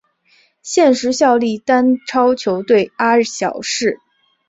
现时效力丹超球队阿晓士。